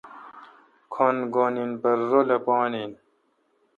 کھن گھن این پرہ رلہ پان این